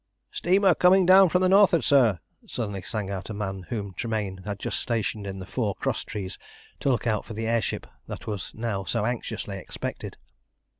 "Steamer coming down from the nor'ard, sir!" suddenly sang out a man whom Tremayne had just stationed in the fore cross trees to look out for the air ship that was now so anxiously expected.